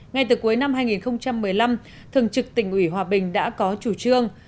ngay từ cuối năm hai nghìn một mươi năm thường trực tỉnh ủy hòa bình đã có chủ trương